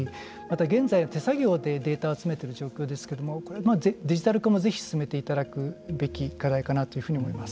現在は手作業でデータを集めている状況ですけれどもこれはデジタル化もぜひ進めていただくべき課題かなと思います。